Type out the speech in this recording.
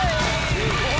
すごい！